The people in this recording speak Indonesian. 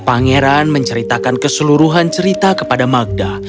pangeran menceritakan keseluruhan cerita kepada magda